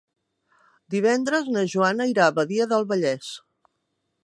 Divendres na Joana irà a Badia del Vallès.